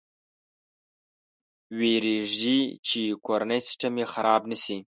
ویرېږي چې کورنی سیسټم یې خراب نه شي.